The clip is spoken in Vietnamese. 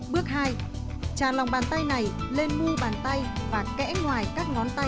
bước hai trà lòng bàn tay này lên mu bàn tay và kẽ ngoài các ngón tay của bàn tay kia và ngược lại